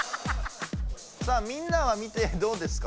さあみんなは見てどうですか？